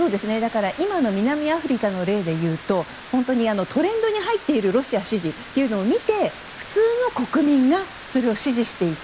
今の南アフリカの例でいうとトレンドに入っているロシア支持というのを見て普通の国民がそれを支持していく。